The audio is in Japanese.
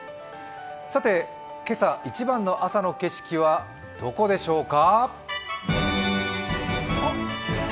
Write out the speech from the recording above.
今朝、一番の朝の景色はどこでしょうか。